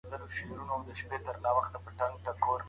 د کارونو چټکتیا د هر چا لپاره د پام وړ وه.